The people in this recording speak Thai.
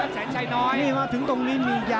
อ่ะแสนชัยน้อย